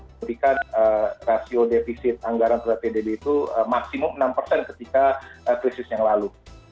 memberikan rasio defisit anggaran terhadap pdb itu maksimum enam persen ketika krisis yang lalu